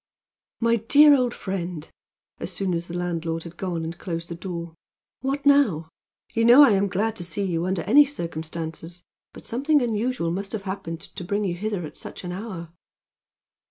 "My dear old friend!" as soon as the landlord had gone and closed the door, "what now? You know I am glad to see you under any circumstances, but something unusual must have happened to bring you hither at such an hour."